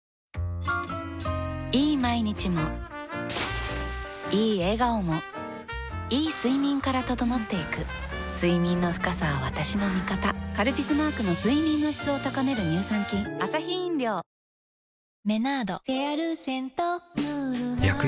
いい毎日もいい笑顔もいい睡眠から整っていく睡眠の深さは私の味方「カルピス」マークの睡眠の質を高める乳酸菌どうぞ。